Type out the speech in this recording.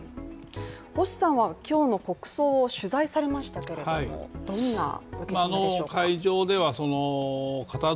星さんは今日の国葬を取材されましたけれどもどんな印象を受けましたか？